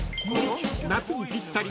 ［夏にぴったり！